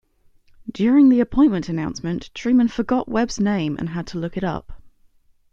During the appointment announcement, Truman forgot Webb's name and had to look it up.